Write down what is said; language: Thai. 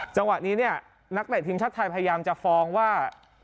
จังหวะนี้เนี่ยนักเตะทีมชาติไทยพยายามจะฟ้องว่า